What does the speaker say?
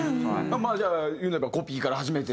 まあじゃあ言うなればコピーから始めてとか。